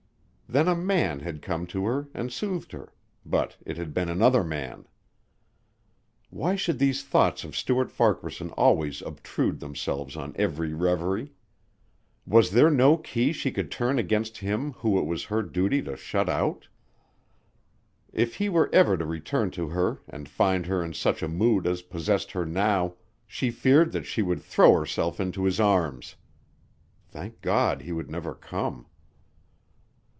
Then a man had come to her and soothed her, but it had been another man. Why should these thoughts of Stuart Farquaharson always obtrude themselves on every revery?... Was there no key she could turn against him, whom it was her duty to shut out? If he were ever to return to her and find her in such a mood as possessed her now, she feared that she would throw herself into his arms. Thank God he would never come!